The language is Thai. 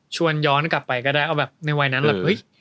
ย้อนกลับไปก็ได้เอาแบบในวัยนั้นแบบเฮ้ย